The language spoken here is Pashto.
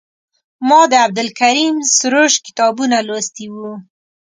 ما د عبدالکریم سروش کتابونه لوستي وو.